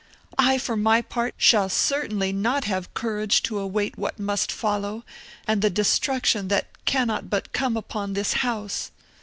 I, for my part, shall certainly not have courage to await what must follow, and the destruction that cannot but come upon this house.